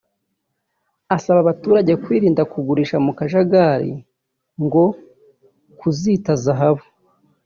Asaba abaturage kwirinda kugurisha mu kajagari ngo kuzita Zahabu